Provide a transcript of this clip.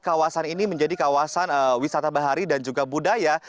kawasan ini menjadi kawasan wisata bahari dan juga budaya